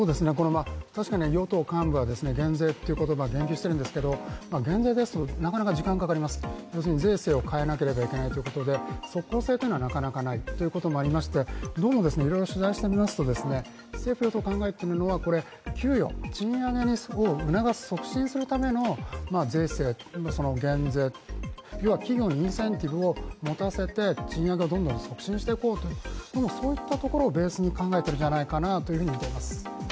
確かに与党幹部は減税という言葉に言及しているんですけど、減税はなかなか時間がかかります、要するに税制を変えなければいけないということで即効性はなかなかないということもありましてどうもいろいろ取材してみますと政府・与党の考えというのは、給与、賃上げを促す、促進するための税制、減税、要は企業のインセンティブを持たせて賃上げをどんどん促進していこう、そういったところをベースに考えているんじゃないかなと見ています。